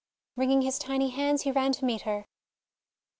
Wringing his tiny hands, he ran to meet her.